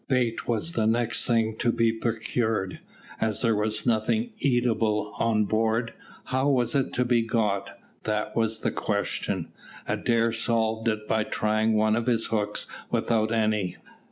Bait was the next thing to be procured. As there was nothing eatable on board, how was it to be got? That was the question. Adair solved it by trying one of his hooks without any.